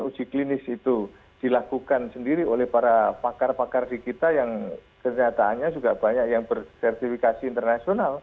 uji klinis itu dilakukan sendiri oleh para pakar pakar di kita yang kenyataannya juga banyak yang bersertifikasi internasional